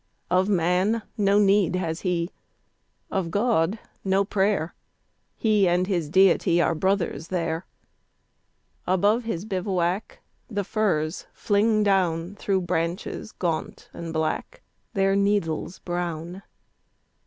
Of man no need has he, of God, no prayer; He and his Deity are brothers there. Above his bivouac the firs fling down Through branches gaunt and black, their needles brown.